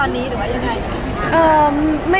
ว่ายังไงค่ะ